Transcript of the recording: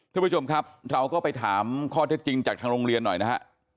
ทุกผู้ชมครับเราก็ไปถามข้อเท็จจริงจากทางโรงเรียนหน่อยนะฮะ